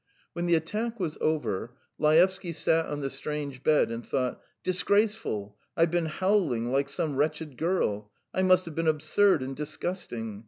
When the attack was over, Laevsky sat on the strange bed and thought. "Disgraceful! I've been howling like some wretched girl! I must have been absurd and disgusting.